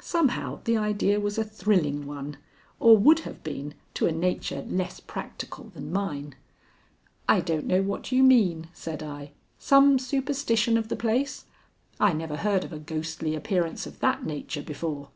Somehow the idea was a thrilling one, or would have been to a nature less practical than mine. "I don't know what you mean," said I. "Some superstition of the place? I never heard of a ghostly appearance of that nature before."